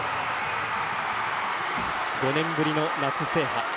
５年ぶりの夏制覇。